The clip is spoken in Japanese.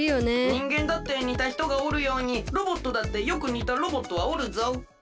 にんげんだってにたひとがおるようにロボットだってよくにたロボットはおるぞ？